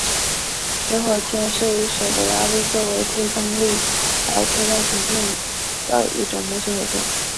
水火箭是以水的压力作为推动力来推动前进的一种模型火箭。